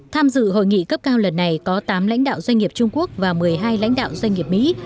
tham dự hội nghị cấp cao lần này có tám lãnh đạo doanh nghiệp trung quốc và một mươi hai lãnh đạo doanh nghiệp mỹ